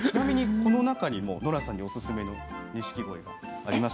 この中でもノラさんおすすめのものがあります。